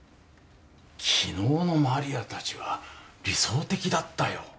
昨日の麻里亜たちは理想的だったよ。